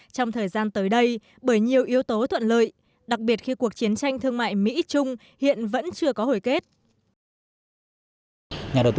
trong thời gian tới đây bởi nhiều yếu tố thuận lợi đặc biệt khi cuộc chiến tranh thương mại mỹ trung hiện vẫn chưa có hồi kết